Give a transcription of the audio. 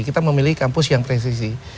kita memilih kampus yang presisi